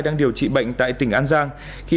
đang điều trị bệnh tại tỉnh an giang